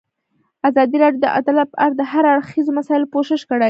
ازادي راډیو د عدالت په اړه د هر اړخیزو مسایلو پوښښ کړی.